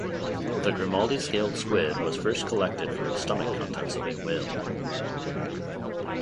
The Grimaldi scaled squid was first collected from the stomach contents of a whale.